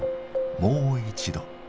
もう一度。